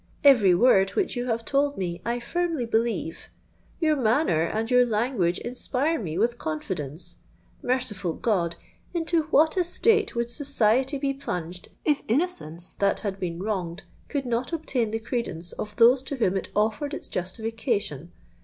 Every word which you have told me, I firmly believe; your manner and your language inspire me with confidence. Merciful God! into what a state would society be plunged if innocence that had been wronged, could not obtain the credence of those to whom it offered its justification!